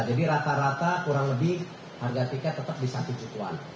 jadi rata rata kurang lebih harga tiket tetap di satu jutaan